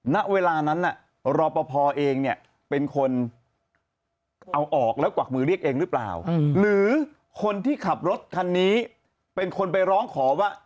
ณเวลานั้นรอปภเองเนี่ยเป็นคนเอาออกแล้วกวักมือเรียกเองหรือเปล่าหรือคนที่ขับรถคันนี้เป็นคนไปร้องขอว่า